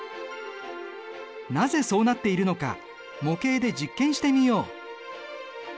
なぜそうなっているのか模型で実験してみよう。